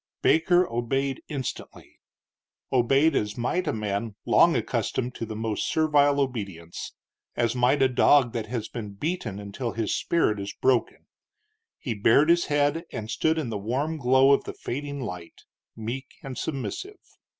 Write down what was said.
Baker obeyed instantly; obeyed as might a man long accustomed to the most servile obedience; as might a dog that has been beaten until his spirit is broken. He bared his head, and stood in the warm glow of the fading light, meek and submissive.